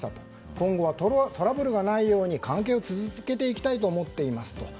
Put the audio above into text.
今後はトラブルがないように関係を続けていきたいと思っていますと。